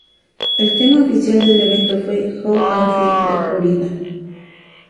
El tema oficial del evento fue ""How I Feel"" de Flo Rida.